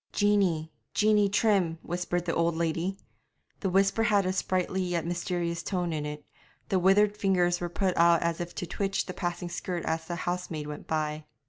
'Jeanie, Jeanie Trim,' whispered the old lady. The whisper had a sprightly yet mysterious tone in it; the withered fingers were put out as if to twitch the passing skirt as the housemaid went by.